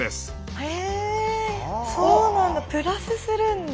へえそうなんだ。